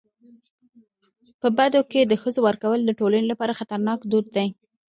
په بدو کي د ښځو ورکول د ټولني لپاره خطرناک دود دی.